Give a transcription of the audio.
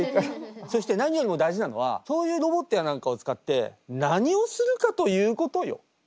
そして何よりも大事なのはそういうロボットや何かを使って何をするかということよ。